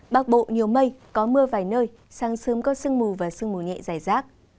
bắc bộ nhiều mây có mưa vài nơi sáng sớm có sương mù và sương mù nhẹ dài rác